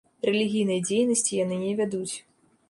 Рэлігійнай дзейнасці яны не вядуць.